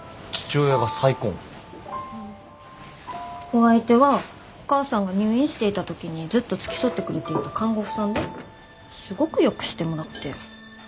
お相手はお母さんが入院していた時にずっと付き添ってくれていた看護婦さんですごくよくしてもらって。